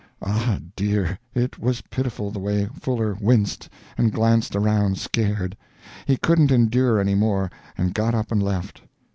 Ah, dear, it was pitiful the way Fuller winced, and glanced around scared! He couldn't endure any more, and got up and left.